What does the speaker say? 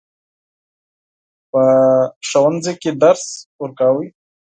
په ښوونځي کې درس ورکاوه.